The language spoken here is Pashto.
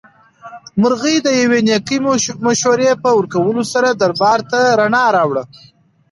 مرغۍ د یوې نېکې مشورې په ورکولو سره دربار ته رڼا راوړه.